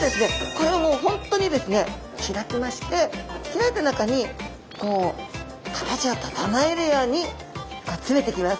これをもう本当にですね開きまして開いた中にこう形を整えるように詰めていきます。